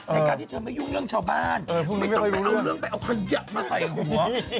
ไม่ต้องไปเอาเรื่องไปเอาขยะมาใส่หัว